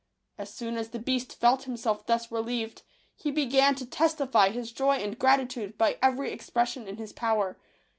As soon as the beast felt himself thus relieved, he began to testify his joy and gratitude by every expression in his power.